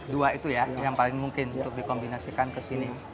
dua itu ya yang paling mungkin untuk dikombinasikan ke sini